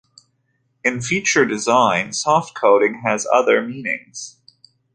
In feature design, softcoding has other meanings.